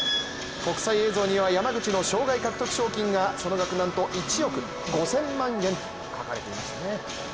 国際映像には山口の生涯獲得賞金がその額なんと１億５０００万円と書かれていましたね。